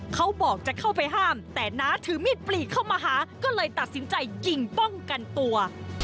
เขาบอกจะเข้าไปห้ามแต่น้าถือมีดปลีกเข้ามาหาก็เลยตัดสินใจยิงป้องกันตัว